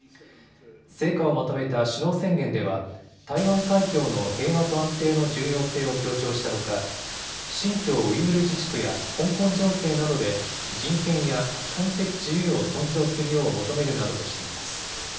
成果をまとめた首脳宣言では台湾海峡の平和と安定の重要性を強調したほか新疆ウイグル自治区や香港情勢などで人権や基本的自由を尊重するよう求めるなどとしています。